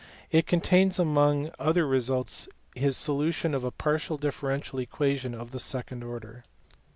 It contains among other results his solution of a partial differential equation of the second order.